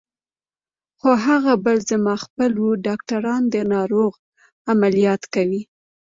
خو هغه بل زما خپل و، ډاکټران د ناروغ عملیات کوي.